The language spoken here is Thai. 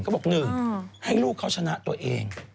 ก็บอก๑ให้ลูกเขาชนะตัวเอง